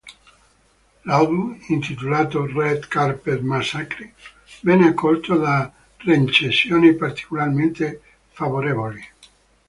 L'album, intitolato "Red Carpet Massacre", venne accolto da recensioni particolarmente favorevoli.